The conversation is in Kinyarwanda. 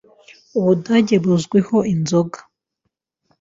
Ubudage buzwiho inzoga.